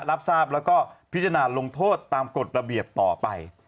รับทราบแล้วก็พิจารณาลงโทษตามกฎระเบียบต่อไป